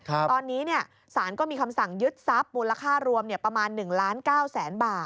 ตอนนี้สารก็มีคำสั่งยึดทรัพย์มูลค่ารวมประมาณ๑ล้าน๙แสนบาท